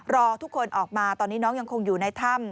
รอทุกคนออกมาตอนนี้น้องยังคงอยู่ในถ้ำ